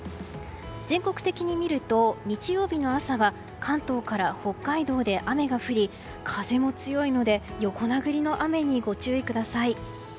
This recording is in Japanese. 全国的に見ると、日曜日の朝は関東から北海道で雨が降り、風も強いので横殴りの雨にご注意ください。